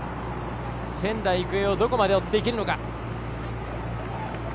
仙台育英をどこまで追っていけるのか。